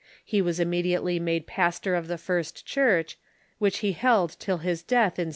He was immediately made pastor of the First Church, Avhich he held till his death, in 1652.